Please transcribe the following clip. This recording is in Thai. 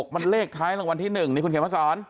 มันเลขท้ายรางวัลที่๑นี่คุณเขียนมาสอน